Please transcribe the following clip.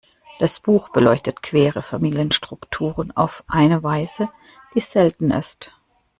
Das Buch beleuchtet queere Familienstrukturen auf eine Weise, die selten ist.